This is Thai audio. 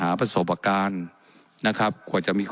และยังเป็นประธานกรรมการอีก